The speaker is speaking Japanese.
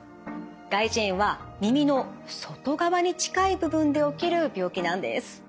外耳炎は耳の外側に近い部分で起きる病気なんです。